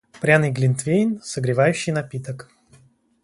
Пряный глинтвейн - согревающий напиток.